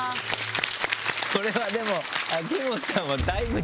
これはでも秋元さんは。